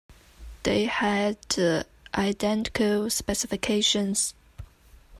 They had identical specifications.